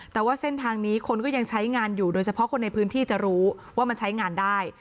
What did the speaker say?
แต่ว่าเส้นทางนี้คนก็ยังใช้งานอยู่โดยเฉพาะคนในพื้นที่จะรู้ว่ามันใช้งานได้